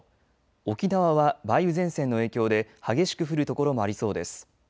沖縄は梅雨前線の影響で激しく降る所もありそうです。